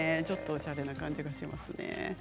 ちょっとおしゃれな感じがしますね。